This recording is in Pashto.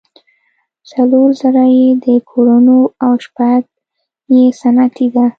څلور زره یې د کورونو او شپږ یې صنعتي ده.